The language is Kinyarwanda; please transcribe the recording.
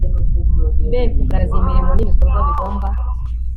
b kugaragaza imirimo n ibikorwa bigomba